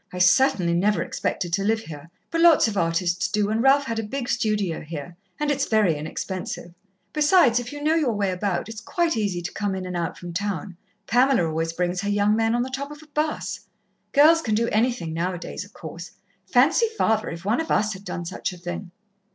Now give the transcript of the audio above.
I certainly never expected to live here but lots of artists do, and Ralph had a big studio here. And it's very inexpensive. Besides, if you know you way about, it's quite easy to come in and out from town. Pamela always brings her young men on the top of a 'bus. Girls can do anything now a days, of course. Fancy father, if one of us had done such a thing!"